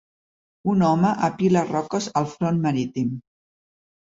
Un home apila roques al front marítim.